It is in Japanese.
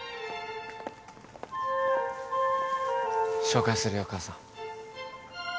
紹介するよ母さん。